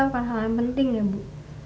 bukan hal yang penting ya bu